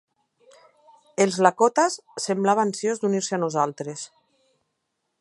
Els Lakotas "... semblava ansiós d'unir-se a nosaltres ".